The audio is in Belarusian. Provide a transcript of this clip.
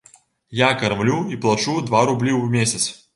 Я кармлю і плачу два рублі ў месяц.